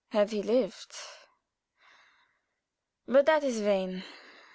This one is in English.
Had he lived but that is vain!